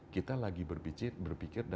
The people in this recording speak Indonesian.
kita lagi berpikir pikir